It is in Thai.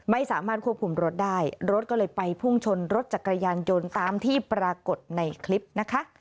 ไม่สามารถควบคุมรถได้รถก็เลยไปพุ่งชนรถจักรยานยนต์ตามที่ปรากฏในคลิปนะคะ